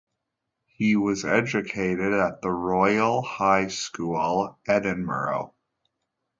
He was educated at the Royal High School, Edinburgh.